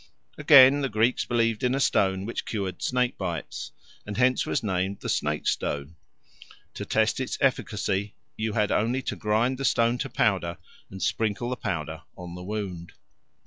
Again, the Greeks believed in a stone which cured snake bites, and hence was named the snake stone; to test its efficacy you had only to grind the stone to powder and sprinkle the powder on the wound.